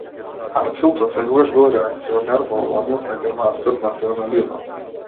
Хартфилд отсекогаш бил реакционер во однос на германскиот национализам.